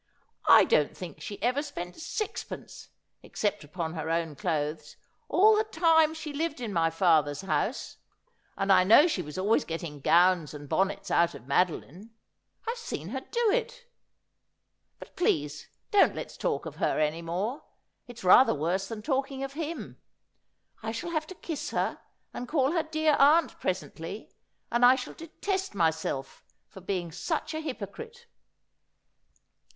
' I don't think she ever spent sixpence except upon her own clothes, all the time she lived in my father's ' Love maketh All to gone MiswayJ 67 house, and I know she was always getting gowns and bonnets out of Madoline. I've seen her do it. But please don't let's talk of her any more. It's rather worse than talking of him. I shall have to kiss her, and call her dear aunt presently, and I shall detest myself for being such a hypocrite.'